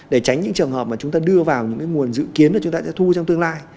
để tránh những trường hợp mà chúng ta đưa vào những nguồn dự kiến là chúng ta sẽ thu trong tương lai